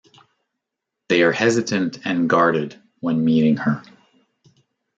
They are hesitant and guarded when meeting her.